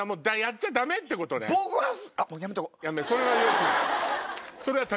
それはよくない。